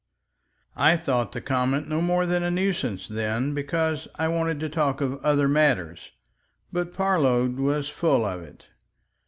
I thought the comet no more than a nuisance then because I wanted to talk of other matters. But Parload was full of it.